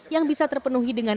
yang bisa terpenuhi dengan